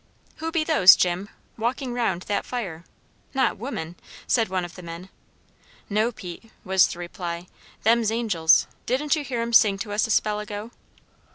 "Who be those, Jim, walking round that fire; not women?" said one of the men. "No, Pete," was the reply, "them's angels; didn't you hear 'em sing to us a spell ago?"